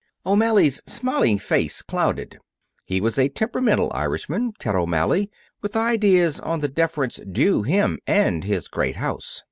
O'Malley's smiling face clouded. He was a temperamental Irishman Ted O'Malley with ideas on the deference due him and his great house.